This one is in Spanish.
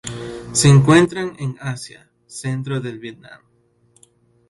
Se encuentran en Asia: centro del Vietnam.